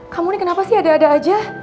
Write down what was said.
kamu nih kenapa sih ada ada aja